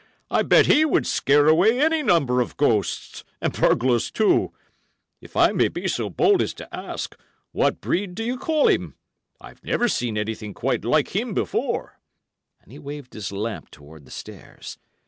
I bet he would scare away any number of ghosts, and burglars, too. If I may be so bold as to ask, what breed do you call him? I've never seen anything quite like him before," and he waved his lamp towards the stairs.